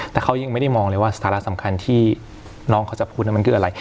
แต่เขายังไม่ได้มองเลยว่าสถานะสำคัญที่น้องเขาจะพูดนั้นมันคืออะไร